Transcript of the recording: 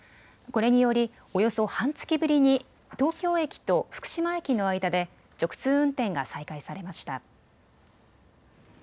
これにより、およそ半月ぶりに東京駅と福島駅の間で直通運転が再開されました。